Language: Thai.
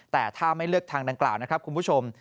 แต่ถ้าไม่เลือกทางดังกล่าวนะครับคุณผู้ชม